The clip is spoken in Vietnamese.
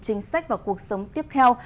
chính sách và cuộc sống tiếp theo